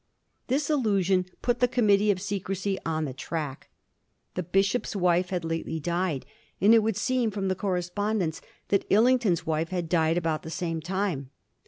This allusion put the committee of secrecy on the track. The bishop's wife had lately died, and it would seem from the correspondence that Uling ton's wife had died about the same time.